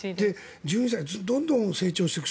どんどん成長していく。